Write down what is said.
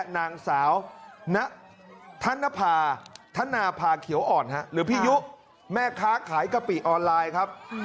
นางสาวธนภาธนาภาเขียวอ่อนหรือพี่ยุแม่ค้าขายกะปิออนไลน์ครับ